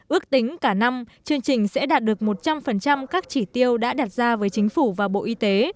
ước tính cả năm chương trình sẽ đạt được một trăm linh các chỉ tiêu đã đặt ra với chính phủ và bộ y tế